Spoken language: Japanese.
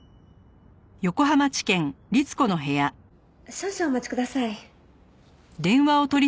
少々お待ちください。